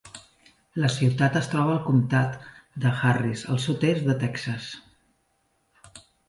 La ciutat es troba al comtat de Harris, al sud-est de Texas.